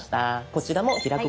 こちらも「開く」